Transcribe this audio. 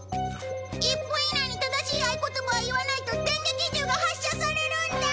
１分以内に正しい合言葉を言わないと電撃銃が発射されるんだ！